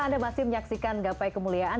anda masih menyaksikan gapai kemuliaan